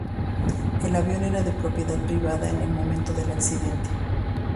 El avión era de propiedad privada en el momento del accidente.